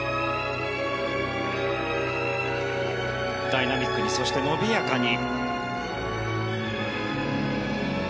ダイナミックにそして伸びやかに。